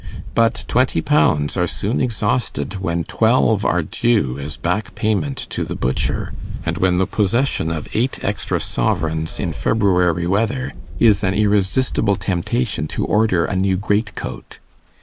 But twenty pounds are soon exhausted when twelve are due as back payment to the butcher, and when the possession of eight extra sovereigns in February weather is an irresistible temptation to order a new greatcoat.